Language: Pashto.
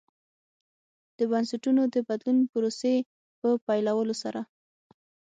د بنسټونو د بدلون پروسې په پیلولو سره.